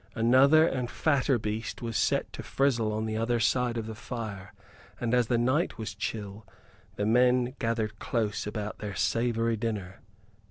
Another and fatter beast was set to frizzle upon the other side of the fire; and, as the night was chill, the men gathered close about their savory dinner.